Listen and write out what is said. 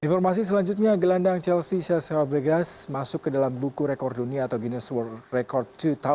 informasi selanjutnya gelandang chelseasera bregas masuk ke dalam buku rekor dunia atau guinness world record dua ribu dua puluh